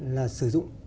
là sử dụng